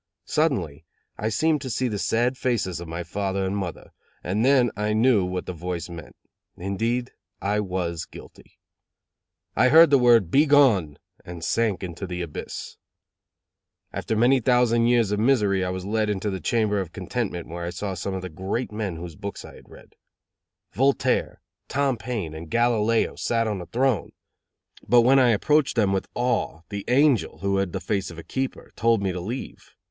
Suddenly I seemed to see the sad faces of my father and mother, and then I knew what the voice meant. Indeed, I was guilty. I heard the word, "Begone," and sank into the abyss. After many thousand years of misery I was led into the Chamber of Contentment where I saw some of the great men whose books I had read. Voltaire, Tom Paine and Galileo sat on a throne, but when I approached them with awe, the angel, who had the face of a keeper, told me to leave.